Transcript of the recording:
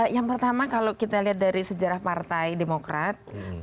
yang pertama kalau kita lihat dari sejarah partai demokrat